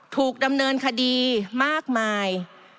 ถูกดำเนินคดีมากมาย